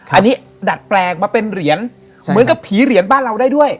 อันนี้ดัดแปลงมาเป็นเหรียญเหมือนกับผีเหรียญบ้านเราได้ด้วย